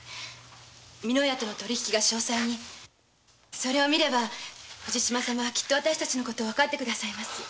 美濃屋との取り引きが詳細にそれを見れば藤島様は私たちのことを分かって下さいます。